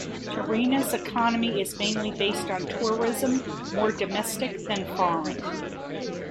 Tirrenia's economy is mainly based on tourism, more domestic than foreign.